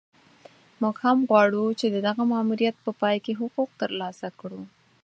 موږ هم غواړو چې د دغه ماموریت په پای کې حقوق ترلاسه کړو.